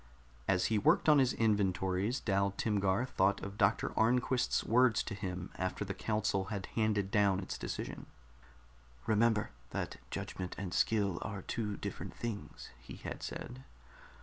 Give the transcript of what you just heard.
As he worked on his inventories, Dal Timgar thought of Doctor Arnquist's words to him after the council had handed down its decision. "Remember that judgment and skill are two different things," he had said.